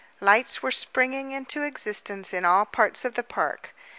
Lights were springing into existence in all parts of the park.